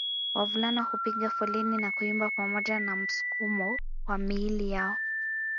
Wavulana hupiga foleni na kuimba pamoja na msukumo wa miili yao